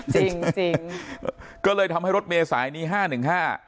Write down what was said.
จริงจริงก็เลยทำให้รถเมษายนี้ห้าหนึ่งห้า